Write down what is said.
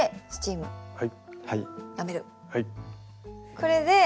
これで。